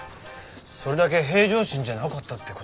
それだけ平常心じゃなかったって事でしょう？